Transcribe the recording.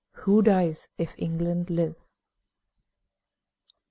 Who dies if England live?